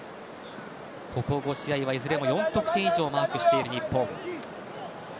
ここ５試合はいずれも４得点以上マークしている日本。